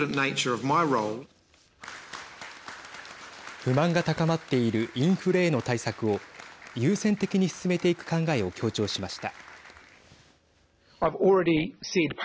不満が高まっているインフレへの対策を優先的に進めていく考えを強調しました。